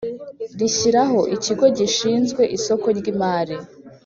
rishyiraho Ikigo gishinzwe isoko ry imari